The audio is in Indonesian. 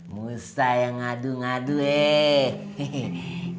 mustahil yang ngadu ngadu hehehe